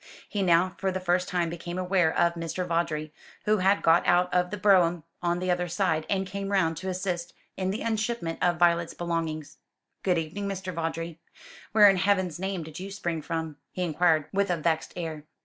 He now for the first time became aware of Mr. Vawdrey, who had got out of the brougham on the other side and came round to assist in the unshipment of Violet's belongings. "Good evening, Mr. Vawdrey. Where in Heaven's name did you spring from?" he inquired, with a vexed air.